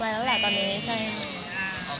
มีปิดฟงปิดไฟแล้วถือเค้กขึ้นมา